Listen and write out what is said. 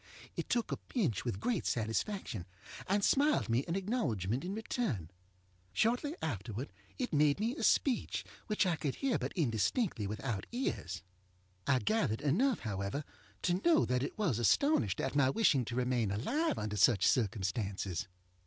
It took a pinch with great satisfaction, and smiled me an acknowledgement in return. Shortly afterward it made me a speech, which I could hear but indistinctly without ears. I gathered enough, however, to know that it was astonished at my wishing to remain alive under such circumstances.